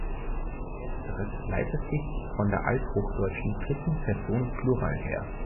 Letzteres leitet sich von der althochdeutschen Dritten Person Plural her.